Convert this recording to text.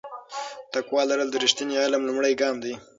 تقوا لرل د رښتیني علم لومړی ګام دی.